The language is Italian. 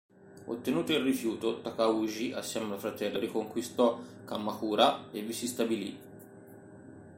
Ottenuto il rifiuto, Takauji assieme al fratello riconquistò Kamakura e vi si stabilì.